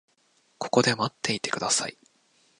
ここで待っていてください。